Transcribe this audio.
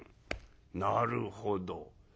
なるほど。